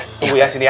tunggu ya sini ya